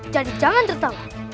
jadi jangan tertawa